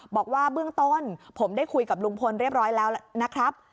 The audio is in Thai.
บอกว่าเบื้องต้นผมได้คุยกับลุงพลเรียบร้อยแล้วนะครับ